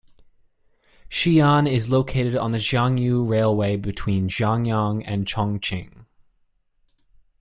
Shiyan is located on the Xiangyu Railway between Xiangyang and Chongqing.